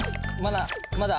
まだ？